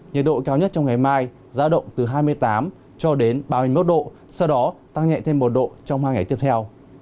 nhiệt độ cao nhất trong ngày mai ra động từ hai mươi tám ba mươi một độ sau đó tăng nhẹ thêm một độ trong hai ngày tiếp theo